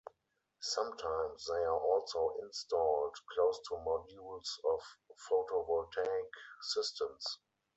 Sometimes they are also installed close to modules of photovoltaic systems.